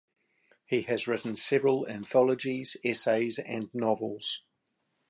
He has written several anthologies, essays, and novels.